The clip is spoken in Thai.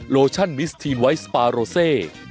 โลชั่นมิสทีนไวท์สปาโรเซ